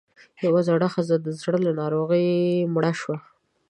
يوه زړه ښځۀ د زړۀ له ناروغۍ مړه شوه